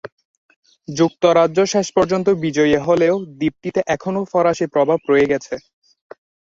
যুক্তরাজ্য শেষ পর্যন্ত বিজয়ী হলেও দ্বীপটিতে এখনও ফরাসি প্রভাব রয়ে গেছে।